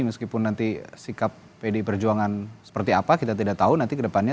meskipun nanti sikap pdi perjuangan seperti apa kita tidak tahu nanti ke depannya